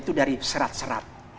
itu dari serat serat